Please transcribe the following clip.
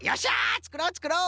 つくろうつくろう。